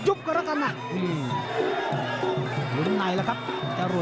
ติดตามยังน้อยกว่า